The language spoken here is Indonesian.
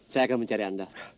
saya akan mencari anda